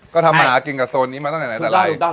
ก็ธรรมนากินในกระทรวงนี้มาตั้งแต่ไหน